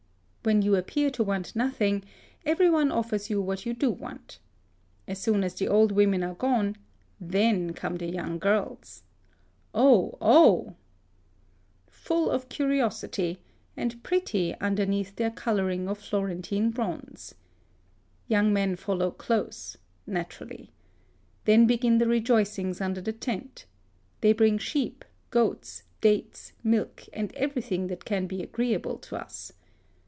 When you appear to want nothing, every one offers you what you do want. As soon as the old women are gone, then come the young girls," (oh, oh !)" full of curiosity, and pretty under neath their colouring of Florentine bronze. Young men follow close — naturally. Then begin the rejoicings under the tent. They bring sheep, goats, dates, milk, and every thing that can be agreeable to us.